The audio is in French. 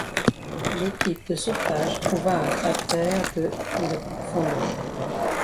L'équipe de sauvetage trouva un cratère de de profondeur.